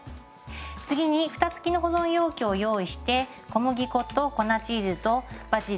次に蓋付きの保存容器を用意して小麦粉と粉チーズとバジルを混ぜ合わせます。